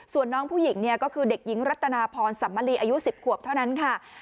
ส่วนน้องผู้หญิงเนี่ยก็คือเด็กหญิงรัตนาพรสัมมลีอายุ๑๐ขวบเท่านั้นค่ะ